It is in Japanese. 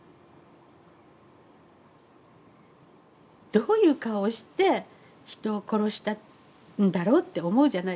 どういう顔をして人を殺したんだろうって思うじゃないですか。